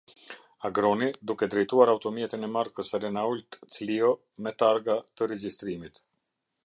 Agroni, duke drejtuar automjetin e markës Renault Clio me targa të regjistrimit.